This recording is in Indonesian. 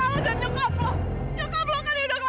kenapa itu cuma zahira doang